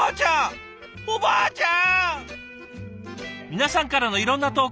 皆さんからのいろんな投稿